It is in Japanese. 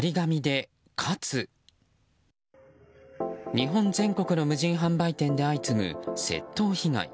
日本全国の無人販売店で相次ぐ窃盗被害。